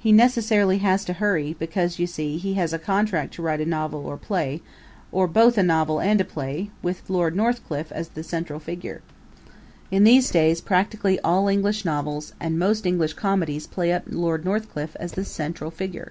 He necessarily has to hurry, because, you see, he has a contract to write a novel or a play or both a novel and a play with Lord Northcliffe as the central figure. In these days practically all English novels and most English comedies play up Lord Northcliffe as the central figure.